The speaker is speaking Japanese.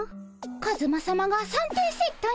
カズマさまが三点セットに！